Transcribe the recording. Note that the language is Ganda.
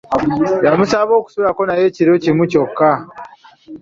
Yamusaba okusulako naye ekiro kimu kyokka.